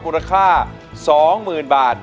มูลค่าสองหมื่นบาท